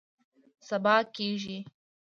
سبا کیږي